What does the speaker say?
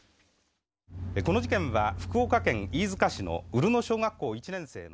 この事件は福岡県飯塚市の潤野小学校１年生の。